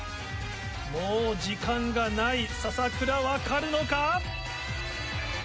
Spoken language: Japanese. もう時間がない篠倉分かるのか